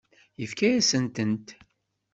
Yefka-yasent-tent.